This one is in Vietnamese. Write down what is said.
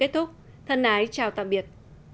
thân ái chào tạm biệt